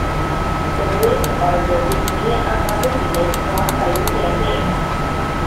The ruins also sit near a modern village known by the same name.